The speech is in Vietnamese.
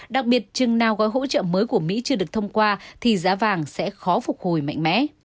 đặc biệt chừng nào gói hỗ trợ mới của mỹ chưa được thông qua thì giá vàng sẽ khó phục hồi mạnh mẽ